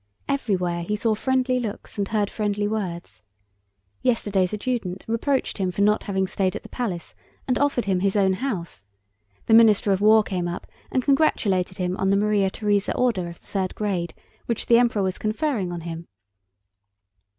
Everywhere he saw friendly looks and heard friendly words. Yesterday's adjutant reproached him for not having stayed at the palace, and offered him his own house. The Minister of War came up and congratulated him on the Maria Theresa Order of the third grade, which the Emperor was conferring on him.